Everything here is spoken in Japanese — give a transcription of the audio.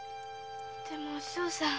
でもお師匠さん。